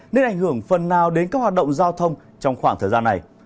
nên ảnh hưởng phần nào đến các hoạt động giao thông trong khoảng thời gian này